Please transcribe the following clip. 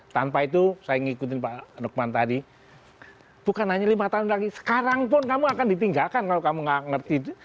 tanpa itu saya ingin mengikuti pak nukman tadi bukan hanya lima tahun lagi sekarang pun kamu akan ditinggalkan kalau kamu tidak mengerti